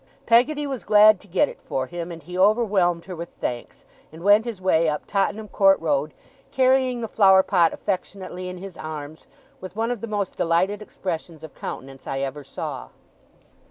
Peggotty was glad to get it for him, and he overwhelmed her with thanks, and went his way up Tottenham Court Road, carrying the flower pot affectionately in his arms, with one of the most delighted expressions of countenance I ever saw.